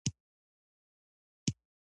ګناه ده خو بیخي کافره کیږم خو به پری نه